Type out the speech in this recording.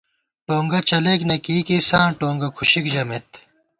ٹونگہ چَلَئیک نہ کېئیکے، ساں ٹونگہ کھُشِؤ ژَمېت